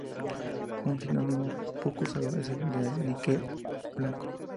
Un sinónimo poco usado es el de níquel blanco.